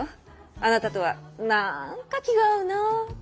あなたとは何か気が合うなって。